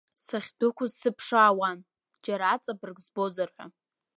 Сахьдәықәыз сыԥшаауан, џьара аҵабырг збозар ҳәа.